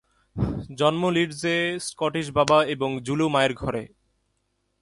জন্ম লিডসে স্কটিশ বাবা এবং জুলু মায়ের ঘরে।